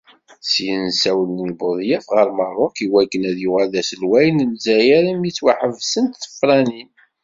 Syin, ssawlen i Buḍyaf ɣer Merruk iwakken ad yuɣal d aselwaya n Lezzayer imi ttwaḥebsent tefranin.